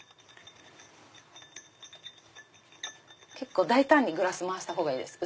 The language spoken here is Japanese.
結構大胆にグラス回したほうがいいです。